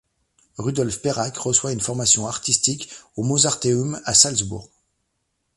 Rudolf Perak reçoit une formation artistique au Mozarteum à Salzbourg.